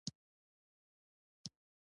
افغانستان د بادام له مخې پېژندل کېږي.